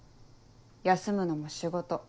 休むのも仕事。